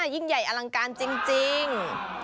ยิ่งใหญ่อลังการจริง